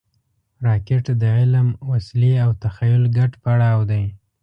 راکټ د علم، وسلې او تخیل ګډ پړاو دی